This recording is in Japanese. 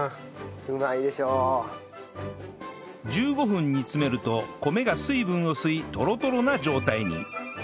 １５分煮詰めると米が水分を吸いトロトロな状態に